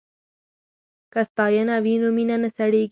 که ستاینه وي نو مینه نه سړیږي.